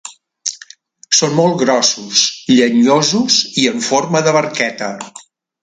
Són molt grossos, llenyosos i en forma de barqueta.